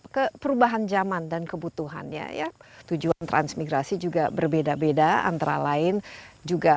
ke perubahan zaman dan kebutuhannya ya tujuan transmigrasi juga berbeda beda antara lain juga